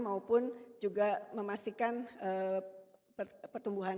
maupun juga memastikan pertumbuhan